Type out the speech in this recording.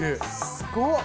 すごっ！